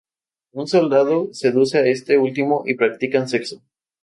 Un soldado seduce a este último y practican sexo.